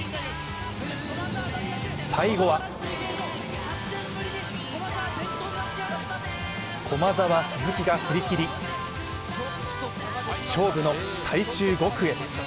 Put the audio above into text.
最後は駒澤・鈴木が振り切り、勝負の最終５区へ。